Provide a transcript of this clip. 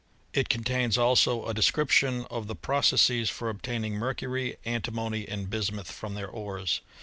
It contains also a description of the processes for obtain ing mercury, antimony, and bismuth, from their ores.